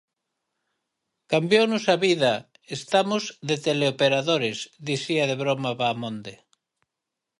"Cambiounos a vida, estamos de teleoperadores", dicía de broma Vaamonde.